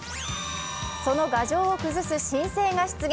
その牙城を崩す新星が出現。